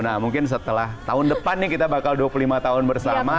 nah mungkin setelah tahun depan nih kita bakal dua puluh lima tahun bersama